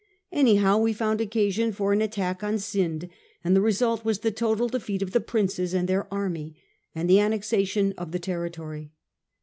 Anyhow we found occasion for an attack on Scinde ; and the result was the total defeat of the Princes and their army, and the annexation of the territory.